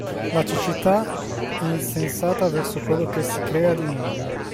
La cecità insensata verso quello che si crea di nuovo.